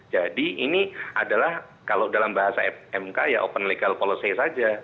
jadi ini adalah kalau dalam bahasa mk ya open legal policy saja